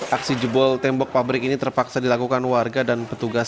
aksi jebol tembok pabrik ini terpaksa dilakukan warga dan petugas